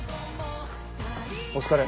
お疲れ。